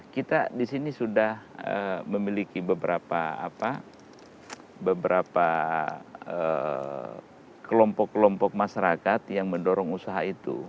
kita di sini sudah memiliki beberapa kelompok kelompok masyarakat yang mendorong usaha itu